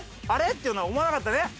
あれ？っていうのは思わなかったね？